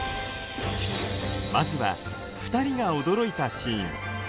まずは２人が驚いたシーン！